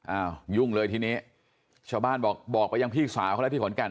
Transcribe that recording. ยุ่งเลยทีนี้ชาวบ้านบอกบอกไปยังพี่สาวเขาแล้วที่ขอนแก่น